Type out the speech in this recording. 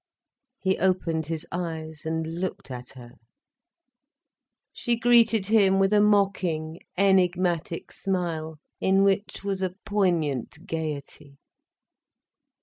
He opened his eyes, and looked at her. She greeted him with a mocking, enigmatic smile in which was a poignant gaiety.